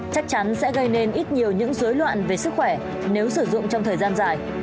chắc chắn sẽ gây nên ít nhiều những dối loạn về sức khỏe nếu sử dụng trong thời gian dài